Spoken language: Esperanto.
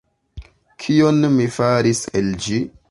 Kion mi faris el ĝi?